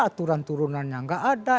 aturan turunannya tidak ada